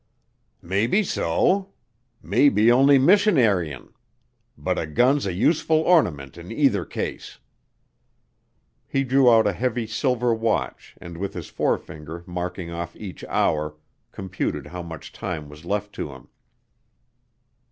"Maybe so. Maybe only missionaryin'. But a gun's a useful ornyment in either case." He drew out a heavy silver watch and with his forefinger marking off each hour, computed how much time was left to him.